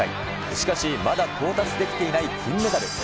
しかし、まだ到達できていない金メダル。